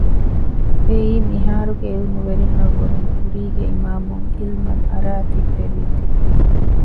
އެއީ މިހާރުގެ ޢިލްމުވެރިންނަށް ވުރެން ކުރީގެ އިމާމުން ޢިލްމަށް އަރައި ތިއްބެވީތީ